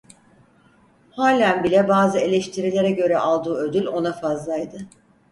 Halen bile bazı eleştirilere göre aldığı ödül ona fazlaydı.